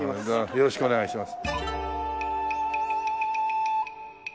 よろしくお願いします。